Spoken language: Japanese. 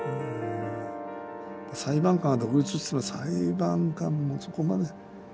裁判官は独立といっても裁判官もそこまで。